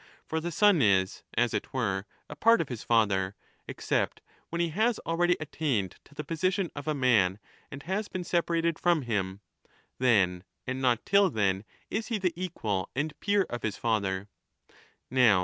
For the son is, as it were, a part of his father, 15 except when he has already attained to the position of a man and has been separated from him ; then, and not till then, is he the equal and peer of his father.